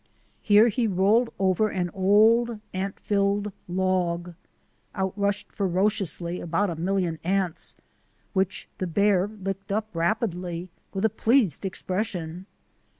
Here he rolled over an old ant filled log. Out rushed ferociously about a million ants, which the bear licked up rapidly, with a pleased expression.